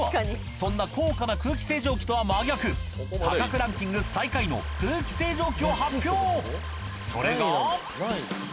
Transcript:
そんな高価な空気清浄機とは真逆価格ランキング最下位の空気清浄機を発表！